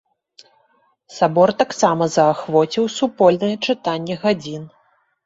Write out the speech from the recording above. Сабор таксама заахвоціў супольнае чытанне гадзін.